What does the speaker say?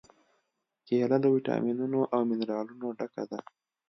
کېله له واټامینونو او منرالونو ډکه ده.